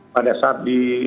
pada saat di